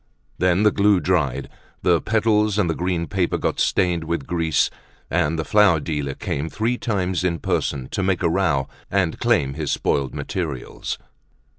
Then the glue dried, the petals and the green paper got stained with grease, and the flower dealer came three times in person to make a row and claim his spoiled materials.